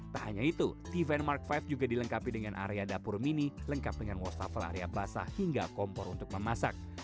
tak hanya itu t van mark lima juga dilengkapi dengan area dapur mini lengkap dengan wastafel area basah hingga kompor untuk memasak